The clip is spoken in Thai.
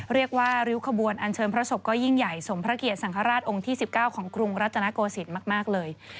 ริ้วขบวนอันเชิญพระศพก็ยิ่งใหญ่สมพระเกียรติสังฆราชองค์ที่๑๙ของกรุงรัตนโกศิลป์มากเลย